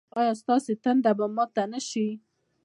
ایا ستاسو تنده به ماته نه شي؟